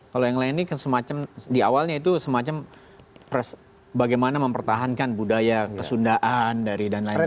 kalau yang lain ini semacam di awalnya itu semacam bagaimana mempertahankan budaya kesundaan dari dan lain lain